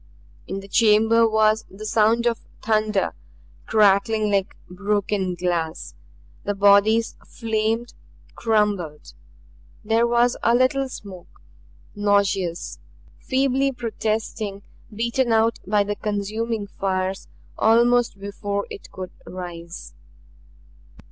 In the chamber was the sound of thunder, crackling like broken glass. The bodies flamed, crumbled. There was a little smoke nauseous, feebly protesting, beaten out by the consuming fires almost before it could rise.